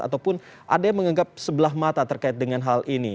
ataupun ada yang menganggap sebelah mata terkait dengan hal ini